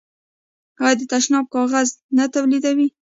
آیا د تشناب کاغذ نه تولیدوي؟